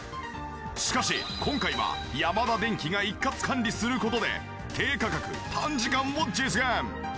しかし今回はヤマダデンキが一括管理する事で低価格短時間を実現！